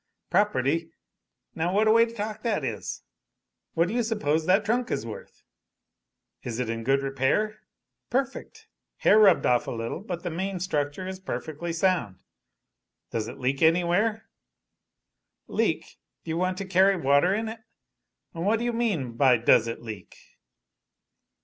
"Property! Now what a way to talk that is: What do you suppose that trunk is worth?" "Is it in good repair?" "Perfect. Hair rubbed off a little, but the main structure is perfectly sound." "Does it leak anywhere?" "Leak? Do you want to carry water in it? What do you mean by does it leak?"